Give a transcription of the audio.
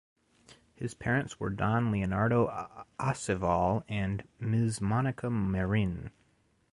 His parents were Don Leonardo Aceval and Ms Monica Marin.